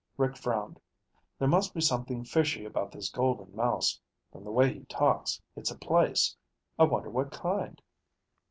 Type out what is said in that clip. Rick frowned. "There must be something fishy about this Golden Mouse. From the way he talks, it's a place. I wonder what kind?"